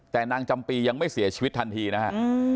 แต่นางจำปียังไม่เสียชีวิตทันทีนะฮะ